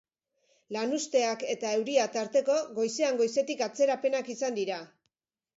Lanuzteak eta euria tarteko, goizean goizetik atzerapenak izan dira.